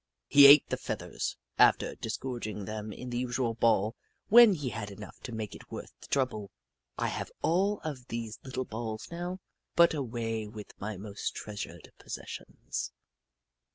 He ate the feathers, afterward disgorging them in the usual ball when he had enough to make it worth the trouble. I have all of these little balls now, put away with my most treasured possessions.